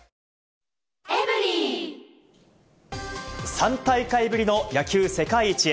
３大会ぶりの野球世界一へ。